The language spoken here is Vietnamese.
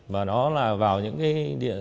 và nó là vào những cái